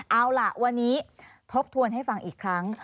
เอาล่ะวันนี้ทบทวนให้ฟังอีกครั้ง